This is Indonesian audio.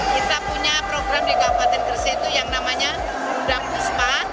kita punya program di kabupaten gresik itu yang namanya undang puspa